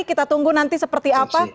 kita tunggu nanti seperti apa